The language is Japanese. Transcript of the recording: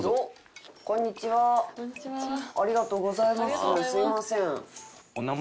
すいません。